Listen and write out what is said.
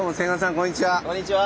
こんにちは！